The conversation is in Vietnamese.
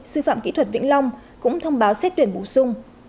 sư phạm kỹ thuật vĩnh long cũng thông báo xét tuyển bổ sung